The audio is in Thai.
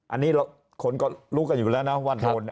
อันนี้คนก็รู้กันอยู่แล้วนะว่าโดน